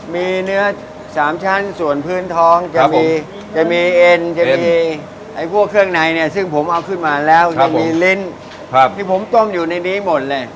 มีเนื้อ๓ชั้นส่วนพื้นท้องจะมีจะมีเอ็นจะมีไอ้พวกเครื่องในเนี่ยซึ่งผมเอาขึ้นมาแล้วยังมีลิ้นที่ผมต้มอยู่ในนี้หมดเลย